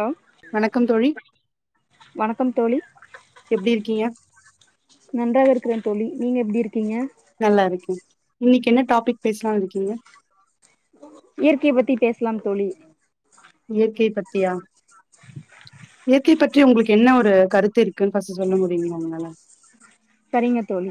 Hello வணக்கம் தோழி வணக்கம் தோழி எப்படி இருக்கீங்க நன்றாக இருக்கிறேன் தோழி நீங்க எப்படி இருக்கீங்க நல்லா இருக்கேன் இன்னைக்கி என்ன டாப்பிக் பேசலானு இருக்கீங்க இயற்க்கைய பத்தி பேசலாம் தோழி இயற்கைய பத்தியா இயற்கை பற்றி உங்களுக்கு என்ன ஒரு கருத்து இருக்குன்னு பஸ்டு சொல்ல முடியுமா உங்களால செரிங்கத் தோழி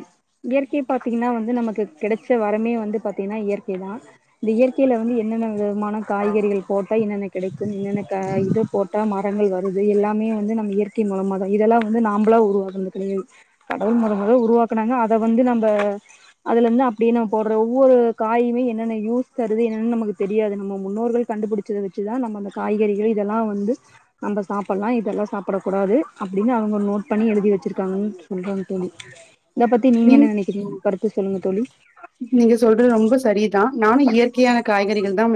இயற்கை பாத்தீங்கன்னா வந்து நமக்கு கெடைச்ச வரமே வந்து பாத்தீங்கன்னா இயற்கைதான் இந்த இயற்கையில வந்து என்னென்ன விதமான காய்கறிகள் போட்டா என்னென்ன கெடைக்கும் என்னென்ன இத போட்டா மரங்கள் வருது எல்லாமே வந்து நம்ம இயற்கை மூலமா தான் இதெல்லாம் வந்து நாம்பளா உருவாகுனது கெடையாது கடவுள் முதல் முத உருவாக்கனாங்க அதை வந்து நம்ம அதுல இருந்து அப்படியே நம்ம போடுற ஒவ்வொரு காயுமே என்னென்ன யூஸ் தருது என்னென்னு நமக்கு தெரியாது நம்ம முன்னோர்கள் கண்டுபிடிச்சத வச்சுதான் நம்ம அந்த காய்கறிகள் இதெல்லாம் வந்து நம்ம சாப்பிட்லாம் இதெல்லாம் சாப்பிடக்கூடாது அப்படின்னு அவங்க நோட் பண்ணி எழுதி வச்சிருக்காங்கன்னு சொல்றாங்க தோழி இதை பற்றி நீங்கள் நீங் என்ன நினைக்கிறீங்க அடுத்து சொல்லுங்க தோழி நீங்க சொல்றது ரொம்ப சரிதான் நானும் இயற்கையான காய்கறிகள் தான்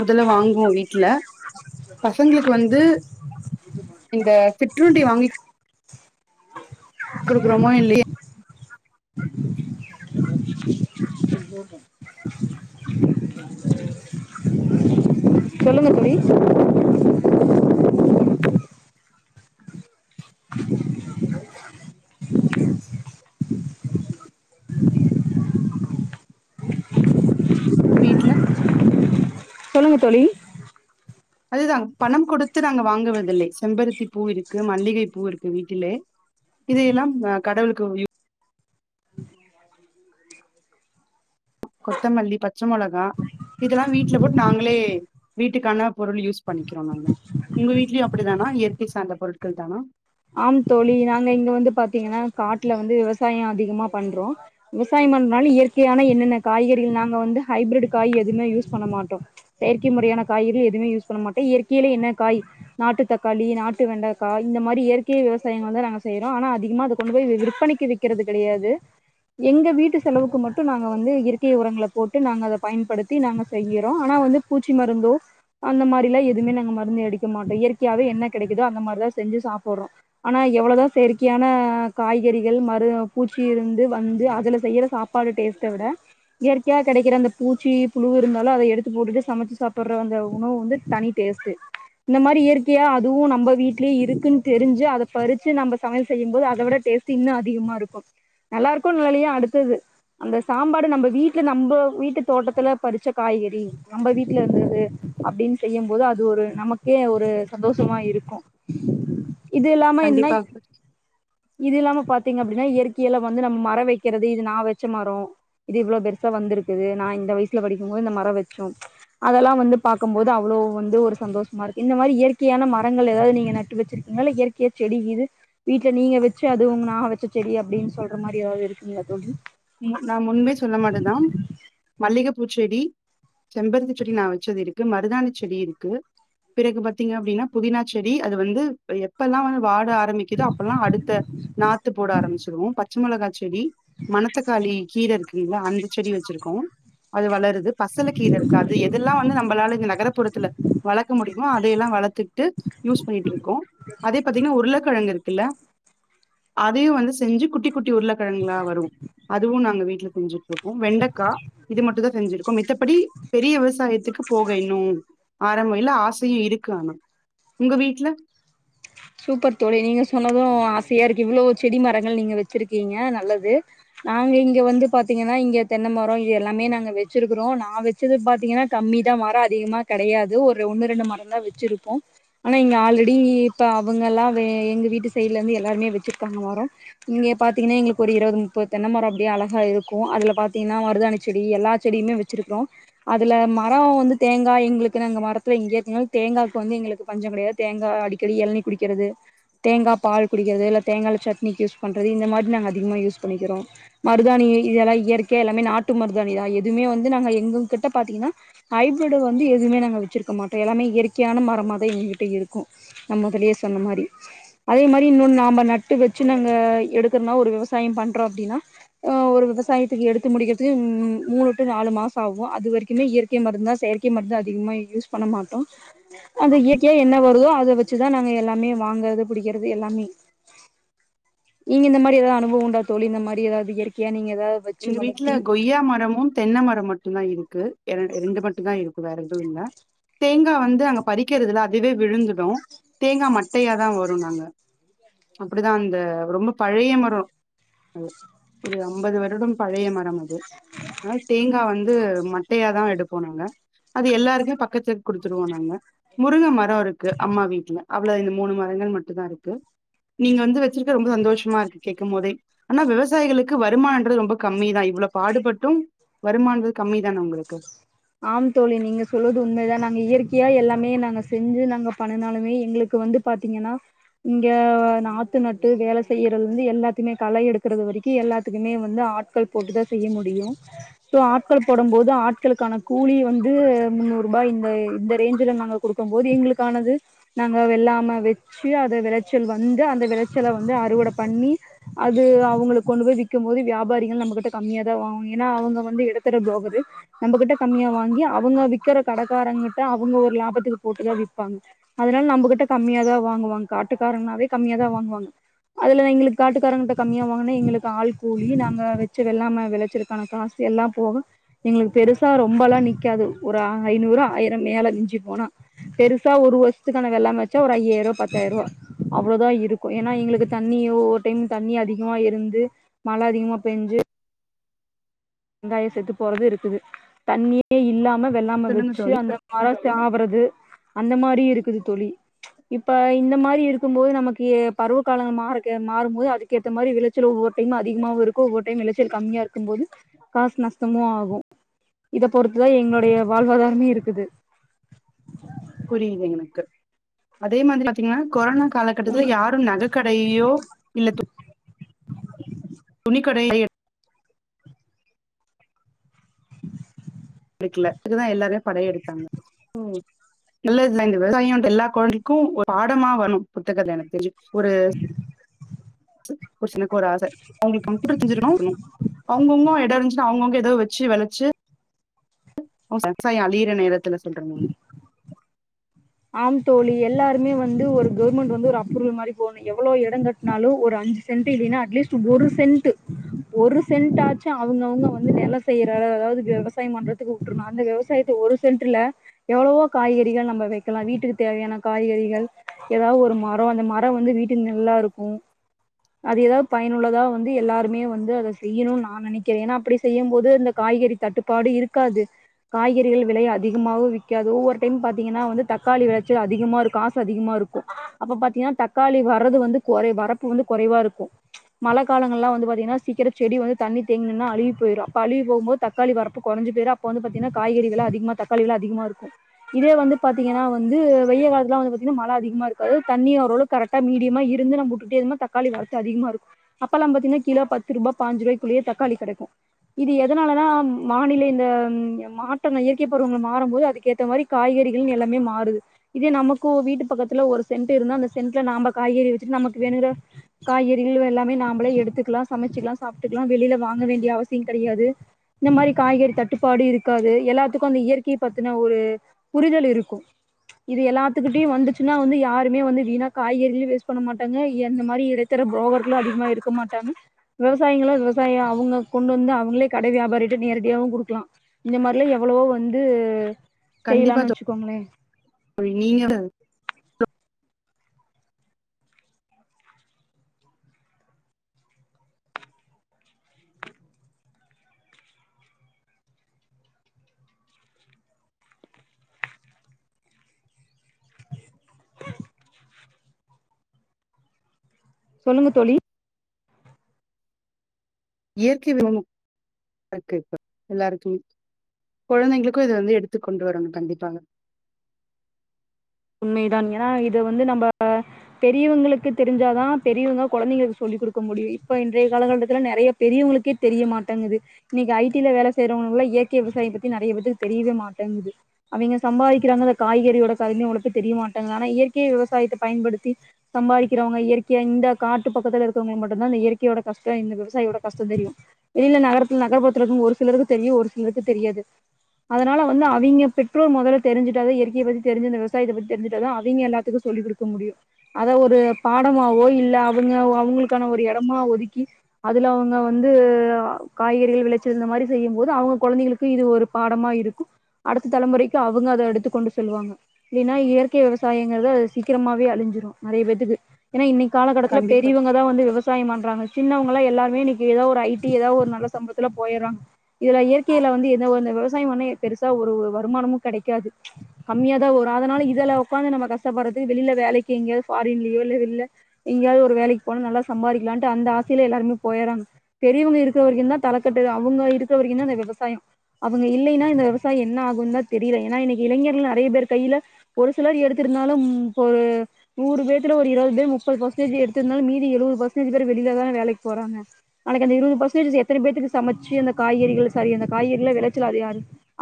முதல்ல வாங்குவோம் வீட்டுல பசங்களுக்கு வந்து இந்த சிற்றுண்டி வாங்கி குடுக்குறோமோ இல்லைய டும் சொல்லுங்க தோழி வீட்டு்ல சொல்லுங்க தோழி அதுதான் பணம் கொடுத்து நாங்க வாங்குவதில்லை செம்பருத்தி பூ இருக்கு மல்லிகை பூ இருக்கு வீட்டிலே இதையெல்லாம் ஹ் கடவுளுக்கு கொத்தமல்லி பச்சை மிளகா இதெல்லாம் வீட்டுல போட்டு நாங்களே வீட்டுக்கான பொருள் யூஸ் பண்ணிக்கிறோம் நாங்க உங்க வீட்லயும் அப்படித்தானா இயற்கை சார்ந்த பொருட்கள் தானா ஆம் தோழி நாங்க இங்க வந்து பாத்தீங்கன்னா காட்டுல வந்து விவசாயம் அதிகமா பண்றோம் விவசாயம் பண்றதுனால இயற்கையான என்னென்ன காய்கறிகள் நாங்க வந்து ஹைப்ரைட் காய் எதுவுமே யூஸ் பண்ண மாட்டோம் செயற்கை முறையான காய்கறிகள் எதுவுமே யூஸ் பண்ண மாட்டோம் இயற்கையில என்ன காய் நாட்டு தக்காளி நாட்டு வெண்டைக்காய் இந்த மாதிரி இயற்கை விவசாயங்கள் தான் நாங்க செய்யறோம் ஆனா அதிகமா அதை கொண்டு போய் விற்பனைக்கு விக்கிறது கிடையாது எங்க வீட்டு செலவுக்கு மட்டும் நாங்கள் வந்து இயற்கை உரங்களை போட்டு நாங்க அத பயன்படுத்தி நாங்க செய்யிறோம் ஆனா வந்து பூச்சி மருந்தோ அந்த மாரிலாம் எதுவுமே நாங்க மருந்து அடிக்க மாட்டோம் இயற்கையாவே என்ன கிடைக்குதோ அந்த மாதிரிதான் செஞ்சு சாப்பிட்றோம் ஆனா எவ்வளவுதான் செயற்கையான காய்கறிகள் மறு பூச்சி இருந்து வந்து அதுல செய்யற சாப்பாடு டேஸ்ட்டை விட இயற்கையா கிடைக்கிற அந்த பூச்சி புழு இருந்தாலும் அதை எடுத்து போட்டுட்டு சமைச்சு சாப்பிடுற அந்த உணவு வந்து தனி டேஸ்ட்டு இந்த மாதிரி இயற்கையா அதுவும் நம்ம வீட்லேயே இருக்குன்னு தெரிஞ்சு பறிச்சு நம்ம சமையல் செய்யும்போது அதை விட டேஸ்ட் இன்னும் அதிகமா இருக்கும் நல்லா இருக்கும் நல்லாலையோ அடுத்தது அந்த சாம்பாரு நம்ம வீட்டுல நம்ம வீட்டு தோட்டத்துல பறிச்ச காய்கறி நம்ம வீட்டுல இருந்தது அப்படின்னு செய்யும்போது அது ஒரு நமக்கே ஒரு சந்தோஷமா இருக்கும் இது இல்லாம என்ன கண்டிப்பா இது இல்லாம பாத்தீங்க அப்டின்னா இயற்கையில வந்து நம்ம மர வைக்கிறது இது நான் வச்ச மரம் இது இவ்ளோ பெருசா வந்திருக்குது நான் இந்த வயசுல படிக்கும்போது இந்த மரம் வச்சோம் அதெல்லாம் வந்து பாக்கும் போது அவ்ளோ வந்து ஒரு சந்தோஷமா இருக்கு இந்த மாரி இயற்கையான மரங்கள் ஏதாவது நீங்க நட்டு வச்சிஃரு நல்ல இயற்கைய செடி இது வீட்ல நீங்க வச்சு அது உங்க நா வச்ச செடி அப்டின்னு சொல்ற மாரி ஏதாவது இருக்குங்களா தோலி நா பூச் செடி செம்பருத்தி செடி நான் வச்சது இருக்கு மருதாணி செடி இருக்கு பிறகு பாத்தீங்க அப்டின்னா புதினா செடி அது வந்து எப்பல்லாம் வந்து வாட ஆரம்பிக்குதோ அப்பல்லாம் அடுத்த நாத்து போட ஆரம்பச்சிருவோம் பச்ச மிளகா செடி செரி மனக்கு இங்க கீழ இருக்குங்களா அந்த செடி வச்சிருக்கோம் அது வளருது வந்து பசல கீர இருக்கு அது எதல்லாம் வந்து நம்மளால நகர்புறத்தில வளக்க முடியமோ அதையெல்லாம் வளத்துட்டு யூஸ் பண்ணிட்டுருக்கோம் அதே பாத்தீங்கன்னா உருளைக்கிழங்கு இருக்கு இல்ல அதயும் வந்து செஞ்சு குட்டி குட்டி உருளைக்கிழங்கங்களா வரும் நாங்க வீட்ல கொஞ்சி இருக்கும் வெண்டக்காஇது மட்டும் தான் செஞ்சிரு [inaudible] இப்படி பெரிய விவசாயத்துக்கு போக இன்னும் ஆரம்பம் இல்ல ஆசயும் இருக்கு ஆனா உங்க வீட்ல சூப்பர் தோலி நீங்க சொன்னதும் ஆசையா இருக்கு இவ்ளோ செடி மரங்கள் நீங்க வச்சிருக்கீங்க நல்லது நாங்க இங்க வந்து பாத்தீங்கன்னா இங்க தென்ன மரோம் இது எல்லாமே நாங்க வச்சிருக்கிறோம் நான் வச்சது பாத்தீங்கன்னா கம்மிதான் மரம் அதிகமா கெடையாது ஒரு ஒண்ணு ரெண்டு மரம தான் வச்சிருப்போம் ஆனா இங்க ஆல்ரெடி இப்தா அவுங்கலாவே எங்க வீட்டு சைட்ல இருந்து எல்லாருமே வச்சிருக்காங்க மரோம் இங்கே பாத்தீங்கன்னா எங்களுக்கு ஒரு இருவது முப்பது தென்ன மரோம் அப்டியே அழகா இருக்கும் அதுல பாத்தீங்கன்னா மருதாணி செடி எல்லா செடியுமே வச்சுருக்கிறோம் அதுல மரம் வந்து தேங்கா எங்களுக்கு நாங்க மரத்து இங்கே இருக்காலும் தேங்காயக்கு வந்து எங்களுக்கு பஞ்சம் கிடையாது தேங்காய் அடி அடிக்கடி எளுநிர் குடிக்கிறது தேங்காய் பால் குடிக்கிறது இல்ல தேங்காய்ல சட்னிக்கு யூஸ் பண்றது இந்த மாரி நாங்க அதிகமா யூஸ் பண்ணிக்கிறோம் மருதாணி இதெல்லாம் இயற்கை எல்லாமே நாட்டு மருதாணிதான் எதுவுமே வந்து நாங்க எங்க கிட்ட பாத்தீங்கன்னா ஐப்ரெட் வந்து எதுவுமே நாங்க வச்சிருக்க மாட்டோம் எல்லாமே இயற்கையான மரமாதான் எங்க கிட்ட இருக்கும் நா முதலேயே சொன்ன மாரி அதே மாரி இன்னொன்னு நாம நட்டு வச்சு நாங்க எடுக்கறோனா ஒரு விவசாயம் பண்றோம் அப்டின்னா ஹ ஒரு விவசாயத்துக்கு எடுத்து முடிக்கிறதுக்கு மூணு டு நாலு மாசோம் ஆகும் அது வரைக்குமே இயற்கை மருந்து தான் செயற்கை மருந்த அதிகமா யூஸ் பண்ண மாட்டோம் அந்த இயற்கையா என்ன வருதோ அத சிஸ்டர் நாங்க எல்லாமே வாங்கறது புடிக்கிறது எல்லாமே நீங்க இந்த மாரி ஏதாவது அனுபவம் உண்டா தோலி இந்த மாரி ஏதாவது இயற்கையா நீங்க ஏதாவது வச்சு எங்க வளத்தி வீட்ல கொய்யா மரமும் தென்ன மரோம் மட்டும் தான் இருக்கு இருக்கு ரெண்டு மட்டும் தான் இருக்கு வேற எதுவும் இல்ல தேங்கா வந்து அங்க பறிக்கிறதுல அதுவே விழுந்துடும் தேங்கா மட்டையாதான் வருநாங்க அப்டிதான் அந்த ரொம்ப பழைய மரோம் ஒரு ஐம்பது வ வருடம் பழைய மரம் அது அ தேங்கா வந்து வந்து மட்டையா தான் எடுப்போனாங்க அது எல்லாருக்குமே பக்கத்துக்கு குடுத்துடுவோநாங்க முருங்க மரோம் இருக்கு அம்மா வீட்ல அவ்ளோ இந்த மூணு மரங்கள் மட்டும் தான் இருக்கு நீங்க வந்து வச்சிருக்க ரொம்ப சந்தோஷமா இருக்கு கேக்கும் போதே ஆனா விவசாயிகளுக்கு வருமான வரது ரொம்ப கம்மி தான் இவ்வளவு பாடுபட்டும் வருமானது கம்மி தான அவுங்களுக்கு ஆம் தோலி நீங்க சொல்லுவது உண்மதான் நாங்க இயற்கைய எல்லாமே நாங்க செஞ்சு நாங்க பண்ணனாலுமே எங்களுக்கு வந்து பாத்தீங்கன்னா இங்க நாத்து நட்டு வேல செய்யறது வந்து எல்லாத்துமே களை எடுக்குறது வரைக்கும் எல்லாத்துக்குமே வந்து ஆட்கள் போட்டுதான் செய்ய முடியும் சோ ஆட்கள் போடும் போது ஆட்களுக்கான கூலி வந்து முன்னூறுபாய் இந்த இந்த ரேஞ்சல நாங்க குடுக்கும் போது எங்களுக்கானது நாங்க வெல்லாம வெச்சு அத வெளைச்சல் வந்து அந்த வெளைச்சல வந்து அறுவட பண்ணி அது அவங்களுக்கு கொண்டு போய் விக்கிம் போது வியாபாரிகள் நம்மகிட்ட கம்மியாக தான் வாங்கனும் ஏன்னா அவங்க வந்து எடத்திட போகுது நம்மகிட்ட கம்மியா வாங்கி அவுங்க விக்கிற கடைக்காரங்கிட்ட அவங்க ஒரு லாபத்துக்கு போட்டுதான் விப்பாங்க அதனால நம்மகிட்ட கம்மியா தான் வாங்குவாங்க காட்டுக்காரனாவே கம்மியா தான் வாங்குவாங்க அதுல எங்களுக்கு காட்டுக்காரங்கிட்ட கம்மியா வாங்கா எங்களுக்கு ஆள் கூலி நாங்க வச்ச வெல்லாம வெளச்சலுக்கான காசு எல்லா போக எங்களுக்கு பெருச பெருசா ரொம்பலாம் நிக்காது ஒரு ஐநூறு ஆயிரம் மேல மிஞ்சு போனா பெருசா ஒரு வருஷத்துக்கான வெல்லாம வச்சா ஒரு ஐயாயிரூவா பத்தாயிரூவா அவ்ளோதான் இருக்கும் ஏன்னா எங்களுக்கு தண்ணி ஒவ்வொர் டைம் தண்ணி அதிகமா இருந்து மழ அதிகமா பெஞ்சு வெங்காய செத்து போறது இருக்குது தண்ணியே இல்லாம வெல்லாம சொல்லுங்க வெச்சு தோழி. அந்த மரோம் சாவுறது அந்த மாரியும் இருக்குது தொலி இப்ப இந்த மாரி இருக்கும் போது நமக்கு பருவ காலங்க மாற மாறும்போது அதுக்கு ஏத்த மாரி வெளைச்சல் ஒவ்வொர் டைமும் அதிகமாவும் இருக்கும் ஒவ்வொர் டைம் வெளைச்சல் கம்மியா இருக்கும்போது காசு நஷ்டமும் ஆகும் இத பொறுத்துதான் எங்களுடைய வாழ்வாதாரமே இருக்குது புரியுது எனக்கு அதே மாதிரி பாத்தீங்கன்னா கொரோனா காலகட்டத்துல யாரும் நகைக்கடையோ இல்ல துணி கடைய எடுக்கல இதுதான் எல்லாருமே படைய எடுத்தாங்க நல்ல இ இந்த விவசாயம் எல்லா கொழந்தைக்கும் ஒரு பாடமா வரும் புத்தகத்தில எனக்கு தெரிஞ்சு ஒரு [inaudible] ஒரு சனக்கு ஒரு ஆசை அவங்களுக்கு கம்ப்யூட்டர் தெரின்ஞ்சு அவங்கவுங்க எடம் இரு்சு அவங்கவுங்க ஏதோ வச்சு வெளச்சி விவசாயம் அழியர நேரத்தில பண்றே மா ஆம் தோழி எல்லாருமே வந்து கவர்மெண்ட் அப்ரோல் மாறி இடம் கட்டுனாலும் அஞ்சு சென்ட்அட்லீஸ்ட் ஒரு சென்ட் ஒரு சென்ட் ஆச்சு அவங்க அவங்க விவசாயம் பண்றதுக்கு விட்ரனும் விவசாயம் ஒரு சென்ட்ல எவ்வளவோ காய்கறிகள் லாம் வீட்டுக்கு தேவையான காய்கறிகள் ஏதாவது ஒரு மரம் அந்த மரம் வந்து வீட்டு நல்லா இருக்கும் அது ஏதாவது பயனுள்ளதா வந்து எல்லாருமே வந்து அதை செய்யணும்னு நான் நினைக்கிறேன் ஏன்னா அப்படி செய்யும்போது இந்த காய்கறி தட்டுப்பாடு இருக்காது காய்கறிகள் வெலை அதிகமாகவும் விற்காது ஒவ்வொரு டைம் பாத்திங்கனா த தக்காளி விளைச்சல் அதிகமா இருக்கும் காசு அதிகமா இருக்கும் அப்ப பாதிங்கனா தக்காளி வர்றது வந்து குறை வரப்பு வந்து குறைவா இருக்கும் மழ காலங்கள்லாம் வந்து பாதிங்கனா சீக்கிரம் செடி வந்து தண்ணி தேங்கி நின்னா அழுவி போயிடும் அப்ப அழுகி போகும்போது தக்காளி வரப்பு குறைஞ்ச போயிட அப்ப வந்து பாதிங்கனா காய்கறி வில அதிகமா தக்காளி வில அதிகமா இருக்கும் இதே வந்து பா பாதிங்கனா வந்து வெயில் காலத்துல வந்து மழை அதிகமா இருக்காது தண்ணியும் ஓரளவு கரெக்டா மீடியமா இருந்து உங்க வீட்டுக்காரனும் நம்ப விட்டுட்டு இருந்த மனோ தக்காளி வர்த்து அதிகமா இருக்கும் அப்பேல கோ பத்து ரூபாய் பாஞ்சு ரூபாய்குள்ளயே தக்காளி கெடைக்கும் இது எனால மாநில இந்த மா இயற்கை பருவங்கள் மாற போது அது ஏ மாரி காய்கறி எல்லாமே மாறுது இதே நமக்கு வீட்டு பக்கத்துல ஒரு சென்ட் இருந்தா அந்த சென்ட்ல நாம காய்கறி வச்சுட்டு நமக்கு வேணுகிற காய்கறிகள்ளும் எல்லாமே நாமமளே எடுத்துக்கலாம் சமைச்சுக்கலாம் சாப்பட்டுக்கலாம் வெளியில வாங்க வேண்டிய அவசியம் கிடையாது இந்த மாரி காய்கறி தட்டுப்பாடு இருக்காது எல்லாத்துக்கும் அந்த இயற்கையை பத்தின ஒரு புரிதல் இருக்கும் இது எல்லாத்துக்கிட்டயும் வந்துச்சுன்னா வந்து யாருமே வந்து வீணா காய்கறிலும் வேஸ்ட் பண்ண மாட்டாங்க அந்த மாரி இருக்கிற போகர்களும் அதிகமா இருக்க மாட்டாங்க விவசாயிங்களும் விவசாயம் அவங்க கொண்டு வந்து அவங்களே கட வியாபாரிகிட்ட நேரடியாவும் கொடுக்கலாம் இந்த மாரிலாம் எவ்வளவோ வந்து கண்டிப்பா செய்யலான்னு வச்சுக்கோங்களே தோழி நீங்க சொல்லுங்க தோழி இயற்கையாகவே இருக்கு இப்ப எல்லாருக்குமே குழந்தைங்களுக்கும் இதை வந்து எடுத்துக் கொண்டு வரனும் கண்டிப்பாக உண்மதான் ஏன்னா இத வந்து நம்ம பெரியவங்களுக்கு தெரிஞ்சாதான் பெரியவங்க குழந்தைங்களுக்கு சொல்லிக் கொடுக்க முடியும் இப்ப இன்றைய காலகலட்டத்துல நெறைய பெரியவங்களுக்கே தெரிய மாட்டேங்குது இன்னைக்கு ஐ டி ஐ வேல செய்யறவங்கல்ல இயற்கை விவசாயம் பத்தி நெறைய பேத்துக்கு தெரியவே மாட்டேங்கது அவங்க சம்பாதிக்கிறாங்க அந்த காய்கறியோட கத இயற்கைய விவசாயத்தை பயன்படுத்தி சம்பாதிறவங்க இயற்கை ஆஹ் இந்த காட்டு பக்கத்தில இருக்கவங்களுக்கு மட்டும் இந்த இயற்கையோட கஷ்டம் இந்த விவசாயியோட கஷ்டம் தெளியும் வெளில ஒருலரு தெ அதனால அவங்க பெட்ரோல் முத தெரிஞ்ச இயற்கையை ப தெரிஞ்ச இத பத்தி தெரிஞ்சாதான் அவங்க எல்லாத்துக்கும் சொல்லிக் கொடுக்க முடியும் அதாவ ஒரு பாடமாவோ இல்ல அவங்க அவங்களுக்கான ஒரு இடமா ஒதுக்கி அதுல அவங்க வந்து காய்கறிகள் விளைச்சல் இந்த மாரி செய்யும் போது அவங்க குழந்தைகளுக்கு இது ஒரு பாடமா இருக்கும் அடுத்த தலைமுறைக்கு அவங்க அத எடுத்து கொண்டு சொல்லுவாங் இல்னா இயற்கை விவசாயங்கள் தான் அது சீக்கிரமே அழிஞ்சிரும் நிறைய பேத்துக்கு ஏன்னா இன்னைக்கு இக்காலகட்டத்துல கண்டிப்பா, பெரியவங்க தான் வந்து விவசாயம் பண்றாங்க சின்னவங்களா எல்லாருமே இன்னைக்கு ஏதாவது ஒரு ஐடி ஏதாவது ஒரு நல்ல சம்பளத்துல போயிடுறாங்க இதுல இயற்கையில வந்து எதோ விவசாயம் வா பெருசா ஒரு வருமானமும் கிடைக்காது கம்மியாாதான் ஒரு அதனால இத உட்காந்து நம்ம கஷ்டப்படுறத்துக்கு வெளியில வேலைக்கு ப்பரிங்லாயே இல்ல எங்காவது ஒரு வேலைக்கு போ நல்லா சம்பாதிக்கலாம் அந்த ஆசைய எல்லாருமே போயிறாங்க பெரியவங்க இருக்கிற தான் தலக்கட்டு அவங்க இருக்க விவசாயம் அவங்க இல்லைன்னா இந்த விவசாயம் என்ன ஆகும் தெரிய ஏன்ன இன்னைக்கு இளைஞர்கள் நிறைய பேர் கையில ஒரு சிலர் எடுத்திருந்தாலும் இப்ப ஒரு நூறு பேத்துல ஒரு இருபது பேர் முப்பது பர்சன்டேஜ் எடுத்திருந்தாலும் மீதி எழுபது பர்சன்டேஜ் பேர் வெளியிலாதான் வேலைக்கு போறாங்க நாளைக்கு அந்த இருபது பர்சன்டேஜ் எத்தனை பேத்துக்கு சமைச்சு அந்த காய்கறிகள் சாரி அந்த காய்கறிகல விளைச்சல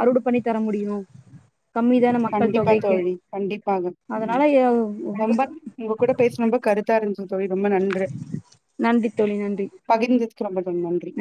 அறுவட பண்ணி தர முடியும் கம்மி தான மக்கள் கண்டிப்பா தொகை தோழி கண்டிப்பாக ரொம்ப உங்க கூட பேச ரொம்ப கருத்தா இருந்து தோழி ரொம்ப நன்று நன்றி தோழி நன்றி பகிர்ந்ததுக்கு ரொம்ப நன்றி